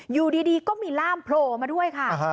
อยู่ดีก็มีล่ามโผล่มาด้วยค่ะ